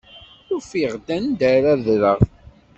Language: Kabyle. Ufiɣ-d anda ara ddreɣ.